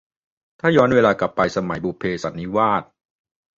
ถ้าย้อนเวลากลับไปสมัย บุพเพสันนิวาส